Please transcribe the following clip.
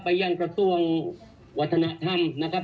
ยังกระทรวงวัฒนธรรมนะครับ